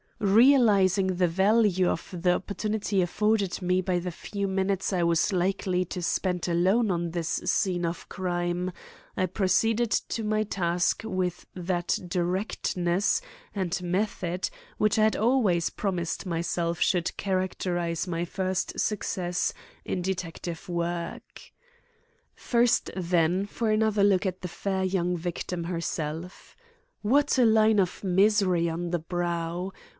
Realizing the value of the opportunity afforded me by the few minutes I was likely to spend alone on this scene of crime, I proceeded to my task with that directness and method which I had always promised myself should characterize my first success in detective work. First, then, for another look at the fair young victim herself! What a line of misery on the brow!